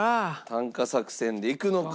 単価作戦でいくのか？